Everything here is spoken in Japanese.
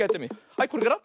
はいこれから。